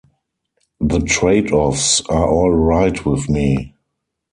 The trade-offs are all right with me.